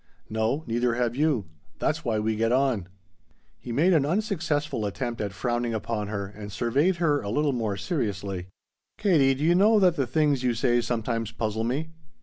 "No, neither have you. That's why we get on." He made an unsuccessful attempt at frowning upon her and surveyed her a little more seriously. "Katie, do you know that the things you say sometimes puzzle me.